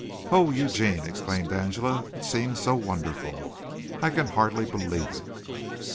"Oh, Eugene," exclaimed Angela, "it seems so wonderful. I can hardly believe it.